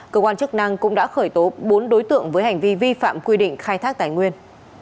cơ quan chức năng cũng đã khởi tố bốn đối tượng với hành vi vi phạm quy định khai thác tài nguyên